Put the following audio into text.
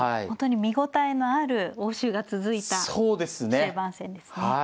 本当に見応えのある応酬が続いた終盤戦ですね。